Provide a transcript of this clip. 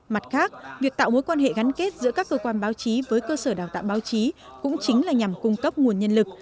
mặt khác việc tạo mối quan hệ gắn kết giữa các cơ quan báo chí với cơ sở đào tạo báo chí cũng chính là nhằm cung cấp nguồn nhân lực